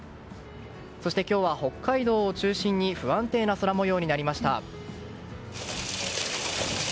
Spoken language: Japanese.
そして今日は北海道を中心に不安定な空模様になりました。